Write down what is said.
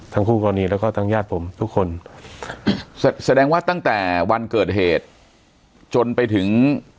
ทั้งคู่กรณีแล้วก็ทั้งญาติผมทุกคนแสดงว่าตั้งแต่วันเกิดเหตุจนไปถึง